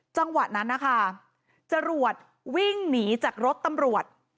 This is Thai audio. จังหวะนั้นนะคะจรวดวิ่งหนีจากรถตำรวจ